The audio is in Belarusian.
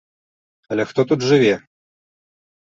Але хто тут жыве?